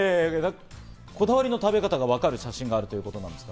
こだわりの食べ方がわかる写真があるということです。